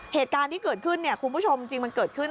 เหตุการณ์ที่เกิดขึ้นเนี่ยคุณผู้ชมจริงมันเกิดขึ้น